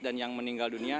dan yang meninggal dunia